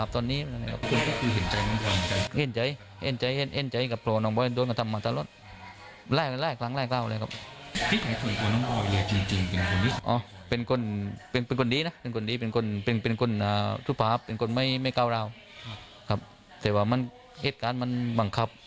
แต่ว่าเกษตรงี้บังคับ